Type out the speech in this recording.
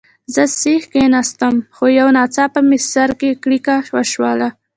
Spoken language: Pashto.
زه سیخ کښېناستم، خو یو ناڅاپه مې په سر کې څړیکه وشول.